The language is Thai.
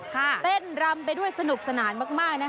เต้นรำไปด้วยสนุกสนานมากนะคะ